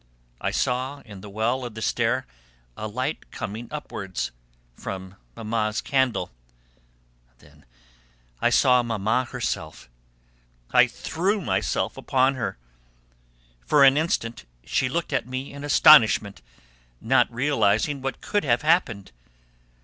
I saw in the well of the stair a light coming upwards, from Mamma's candle. Then I saw Mamma herself: I threw myself upon her. For an instant she looked at me in astonishment, not realising what could have happened.